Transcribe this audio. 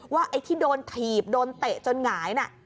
ไอ้ที่โดนถีบโดนเตะจนหงายน่ะ